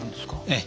ええ。